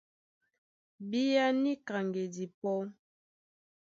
Bíá níka ŋgedi pɔ́!